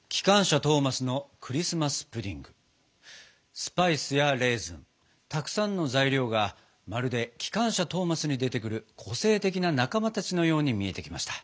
スパイスやレーズンたくさんの材料がまるで「きかんしゃトーマス」に出てくる個性的な仲間たちのように見えてきました。